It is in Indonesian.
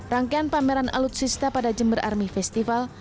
rangkaian pameran alutsista pada jember army festival